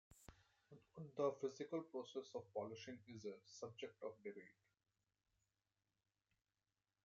The physical process of polishing is a subject of debate.